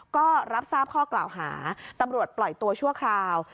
ก็รับทราบข้อกล่าวหาตำรวจปล่อยตัวชั่วคราว